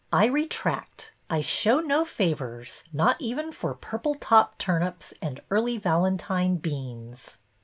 I retract. I show no favors, not even for purple top turnips and Early Valentine beans.